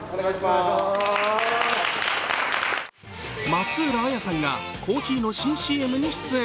松浦亜弥さんがコーヒーの新ＣＭに出演。